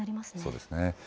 そうですね。